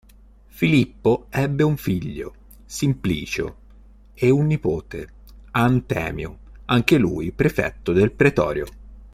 Filippo ebbe un figlio, Simplicio, e un nipote, Antemio, anche lui prefetto del pretorio.